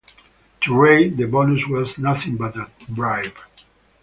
To Ray, the bonus was nothing but a bribe.